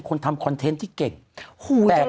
คุณหนุ่มกัญชัยได้เล่าใหญ่ใจความไปสักส่วนใหญ่แล้ว